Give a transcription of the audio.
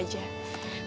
mendingan belajar dulu aja